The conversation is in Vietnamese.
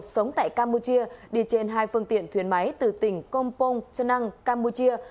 sống tại campuchia đi trên hai phương tiện thuyền máy từ tỉnh kompong trần năng campuchia